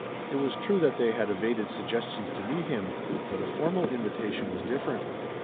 It was true that they had evaded suggestions to meet him, but a formal invitation was different.